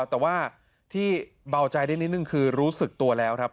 แต่ว่าที่เบาใจได้นิดนึงคือรู้สึกตัวแล้วครับ